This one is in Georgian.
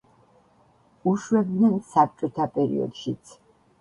უშვებდნენ საბჭოთა პერიოდშიც.